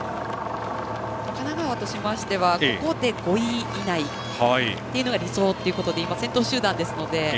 神奈川としましてはここで５位以内というのが理想ということで今、先頭集団なので。